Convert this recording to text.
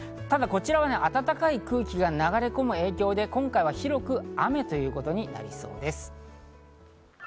ただ、こちらは暖かい空気が流れ込む影響で、今回は広く雨ということになりそうです。